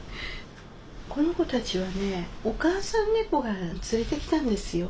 この子たちはねお母さん猫が連れてきたんですよ。